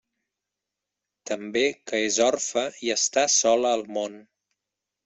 També que és orfe i està sola al món.